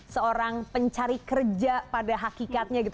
seorang pencari kerja pada hakikatnya gitu